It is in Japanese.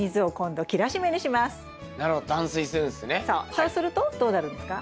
そうするとどうなるんですか？